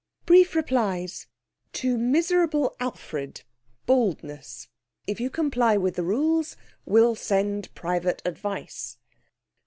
'Brief replies: 'To Miserable Alfred (Baldness). If you comply with the rules, will send private advice.